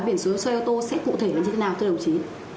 biển số xe ô tô sẽ cụ thể là như thế nào thưa đồng chí